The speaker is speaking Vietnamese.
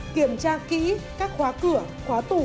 kiểm tra kỹ các khóa cửa khóa tủ